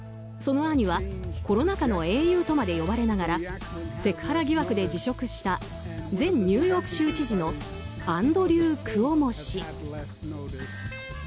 その兄は、コロナ禍の英雄とまで呼ばれながらセクハラ疑惑で辞職した前ニューヨーク州知事のアンドリュー・クオモ氏。